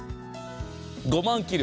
５万切る。